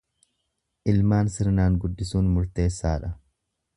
Ilmaan sirnaan guddisuun murteessa dha.